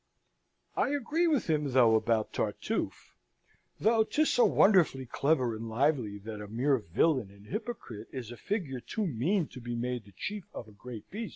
I agree with him though about Tartuffe, though 'tis so wonderfully clever and lively, that a mere villain and hypocrite is a figure too mean to be made the chief of a great piece.